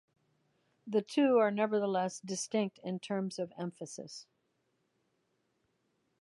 The two are nevertheless distinct in terms of emphasis.